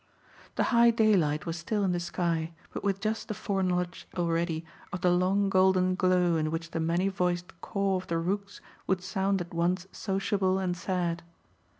The high daylight was still in the sky, but with just the foreknowledge already of the long golden glow in which the many voiced caw of the rooks would sound at once sociable and sad.